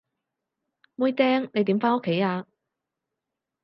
妹釘，你點返屋企啊？